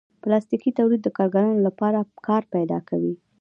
پلاستيکي تولید د کارګرانو لپاره کار پیدا کوي.